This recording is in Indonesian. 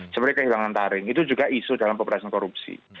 seperti kehilangan taring itu juga isu dalam peperasan korupsi